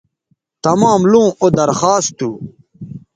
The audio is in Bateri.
تمام لوں او درخواست تھو